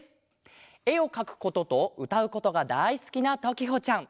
えをかくこととうたうことがだいすきなときほちゃん。